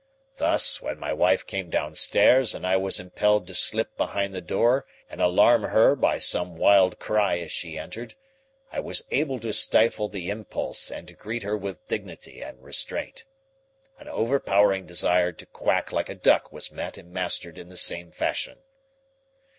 Thus, when my wife came downstairs and I was impelled to slip behind the door and alarm her by some wild cry as she entered, I was able to stifle the impulse and to greet her with dignity and restraint. An overpowering desire to quack like a duck was met and mastered in the same fashion.